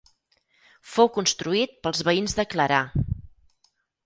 Fou construït pels veïns de Clarà.